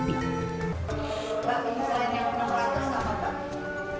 pembuatan yang telah dilakukan oleh busana jawi suratman